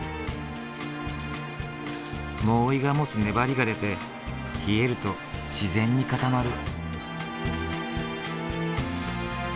モーウィが持つ粘りが出て冷えると自然に固まる。